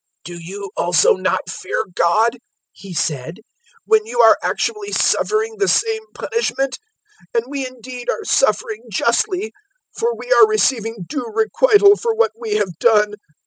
"Do you also not fear God," he said, "when you are actually suffering the same punishment? 023:041 And we indeed are suffering justly, for we are receiving due requital for what we have done.